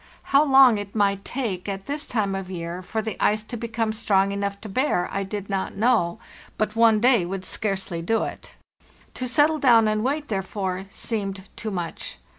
How long it might take at this time of year for the ice to become strong enough to bear, I did not know, but one day would scarcely do it. To settle down and wait, therefore, seemed too much.